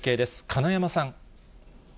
金山さん。